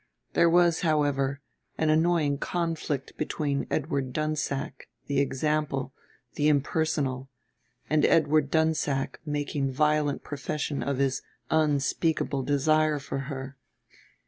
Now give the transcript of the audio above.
There was, however, an annoying conflict between Edward Dunsack, the example, the impersonal, and Edward Dunsack making violent profession of his unspeakable desire for her.